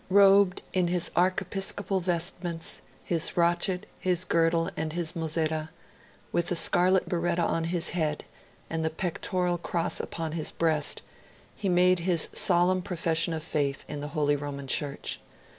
Robed in his archiepiscopal vestments, his rochet, his girdle, and his mozzetta, with the scarlet biretta on his head, and the pectoral cross upon his breast, he made his solemn Profession of Faith in the Holy Roman Church.